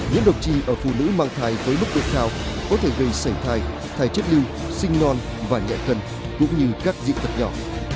nhiễm độc trì ở phụ nữ mang thai với mức độ cao có thể gây sảy thai thai chết lưu sinh non và nhạy cân cũng như các diện thật nhỏ